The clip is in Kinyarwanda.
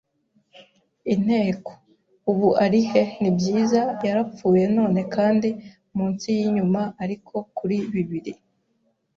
Inteko. Ubu ari he? Nibyiza, yarapfuye none kandi munsi yinyuma; ariko kuri bibiri